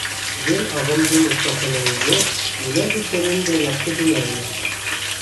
Үҙен ағымдың уртаһына ингәс нимә көткәнен дә яҡшы белә ине.